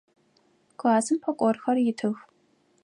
Классым пӏэкӏорхэр итых.